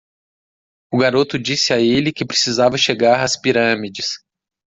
O garoto disse a ele que precisava chegar às pirâmides.